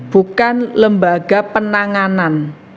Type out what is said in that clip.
bukan lembaga penanganan